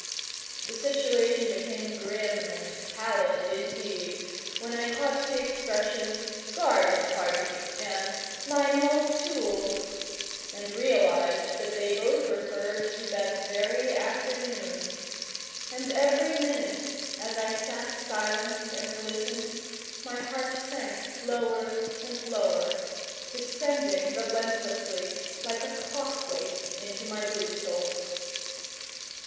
The situation became grim and pallid indeed, when I caught the expressions "garden party" and "my mauve tulle," and realized that they both referred to that very afternoon. And every minute, as I sat silent and listened, my heart sank lower and lower, descending relentlessly like a clock weight into my boot soles.